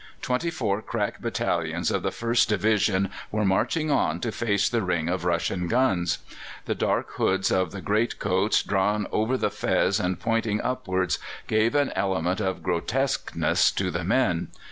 Twenty four crack battalions of the First Division were marching on to face the ring of Russian guns; the dark hoods of the great coats drawn over the fez and pointing upwards gave an element of grotesqueness to the men.